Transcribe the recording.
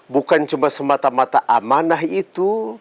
bukan cuma semata mata amanah itu